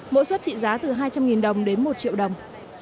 mỗi suất trị giá từ hai trăm linh đồng đến một triệu đồng